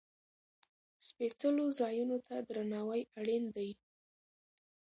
سپېڅلو ځایونو ته درناوی اړین دی.